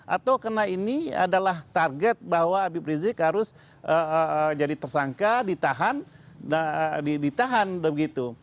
atau karena ini adalah target bahwa habib rizik harus jadi tersangka ditahan ditahan begitu